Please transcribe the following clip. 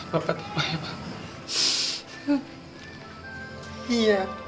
bapak tumpah ya bapak